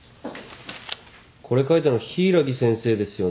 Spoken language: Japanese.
これ書いたの柊木先生ですよね。